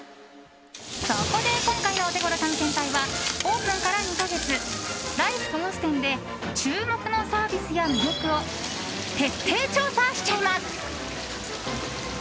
そこで今回のオテゴロ探検隊はオープンから２か月ライフ豊洲店で注目のサービスや魅力を徹底調査しちゃいます！